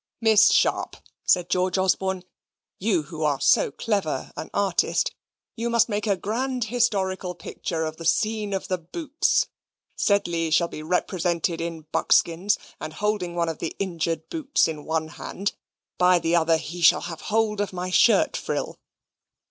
"Miss Sharp!" said George Osborne, "you who are so clever an artist, you must make a grand historical picture of the scene of the boots. Sedley shall be represented in buckskins, and holding one of the injured boots in one hand; by the other he shall have hold of my shirt frill.